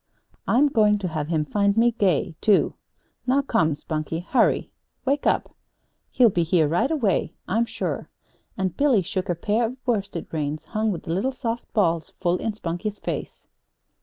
I'm going to have him find me gay, too. Now, come, Spunkie; hurry wake up! He'll be here right away, I'm sure." And Billy shook a pair of worsted reins, hung with little soft balls, full in Spunkie's face.